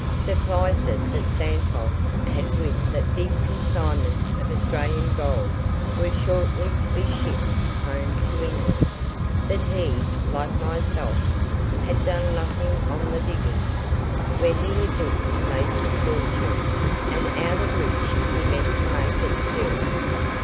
Suffice it that Santos had wind that big consignments of Austrailian gold were shortly to be shipped home to England; that he, like myself, had done nothing on the diggings, where he had looked to make his fortune, and out of which he meant to make it still.